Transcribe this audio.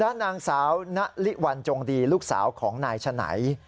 ด้านนางสาวณลิวันจงดีลูกสาวของนายฉนัย